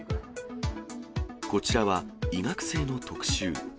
こちらは、医学生の特集。